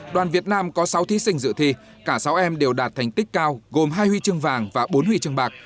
đoàn việt nam có sáu thí sinh dự thi cả sáu em đều đạt thành tích cao gồm hai huy chương vàng và bốn huy chương bạc